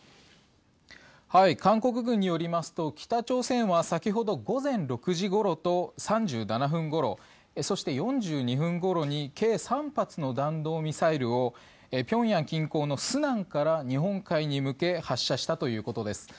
韓国軍によりますと北朝鮮は先ほど午前６時ごろと３７分ごろそして、４２分ごろに計３発の弾道ミサイルを平壌近郊の順安から日本海に向け発射したということです。